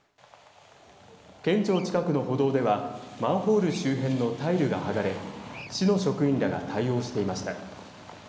県庁近くの歩道ではマンホール周辺のタイルがはがれ市の職員らが対応していました。